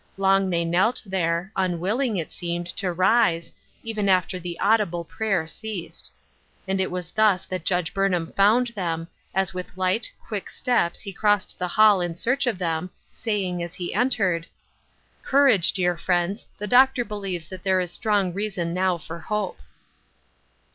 Long they knelt there, unwilling, it seemed, to rise, even after the audible prayer ceased. And it was thus that Judge Burnham found them, as with light, quick steps he crossed the hall in search ol them, saying, as he entered :" Courage, dear friends, the doctor believes that there is strong reason now for hope."